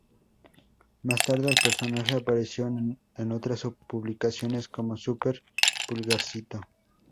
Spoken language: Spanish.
Más tarde, el personaje apareció en otras publicaciones como "Super Pulgarcito".